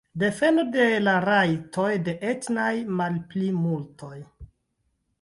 Defendo de la rajtoj de etnaj malplimultoj.